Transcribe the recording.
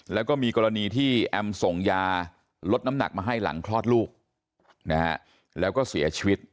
แล้วก็มีกรณีที่แอมส่งยาลดน้ำหนักมาให้หลังคลอดลูกนะฮะแล้วก็เสียชีวิต